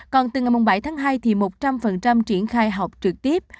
còn từ ngày bảy tháng hai thì một trăm linh triển khai học trực tiếp